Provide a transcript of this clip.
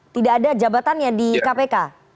tidak ada jabatannya di kpk